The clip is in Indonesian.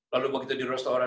lalu waktu itu di restoran